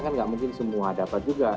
kan nggak mungkin semua dapat juga